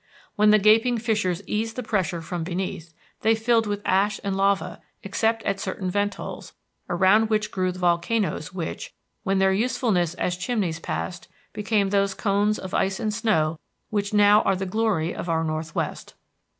When the gaping fissures eased the pressure from beneath, they filled with ash and lava except at certain vent holes, around which grew the volcanoes which, when their usefulness as chimneys passed, became those cones of ice and snow which now are the glory of our northwest.